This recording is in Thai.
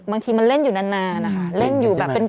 ยังติดอยู่อยู่เลยเนี่ย